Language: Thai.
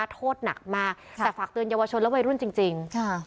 โทษหนักมากแต่ฝากเตือนเยาวชนและวัยรุ่นจริง